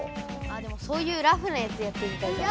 でもそういうラフなやつやってみたいかな。